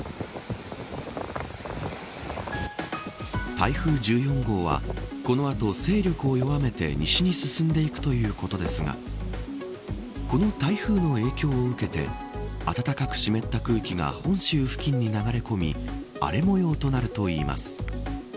台風１４号はこの後、勢力を弱めて西に進んでいくということですがこの台風の影響を受けて暖かく湿った空気が本州付近に流れ込み荒れ模様となるといいます。